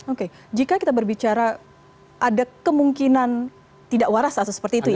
oke jika kita berbicara ada kemungkinan tidak waras atau seperti itu ya